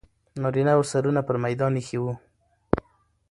نارینه و سرونه پر میدان ایښي وو.